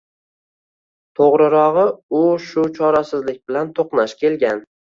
To`g`rirog`i, u shu chorasizlik bilan to`qnash kelgan